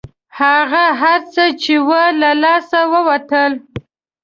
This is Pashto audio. هغه هر څه چې وو له لاسه ووتل.